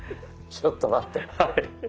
ちょっと待って。